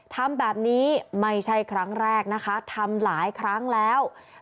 ทำแบบนี้ไม่ใช่ครั้งแรกนะคะทำหลายครั้งแล้ว